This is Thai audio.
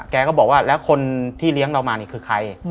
แกก็บอกว่าแล้วคนที่เลี้ยงเรามานี่คือใคร